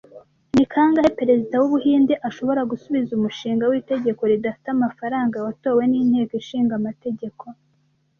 Ni kangahe Perezida w'Ubuhinde ashobora gusubiza umushinga w'itegeko ridafite amafaranga, watowe n'Inteko Ishinga Amategeko